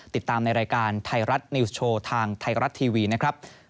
ติดตามในรายการไทยรัฐนิวส์โชว์ทางไทยรัฐทีวีนะครับ